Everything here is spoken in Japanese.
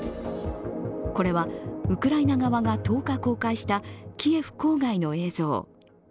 これはウクライナ側が１０日公開したキエフ郊外の映像。